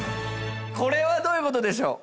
これはどういうことでしょう？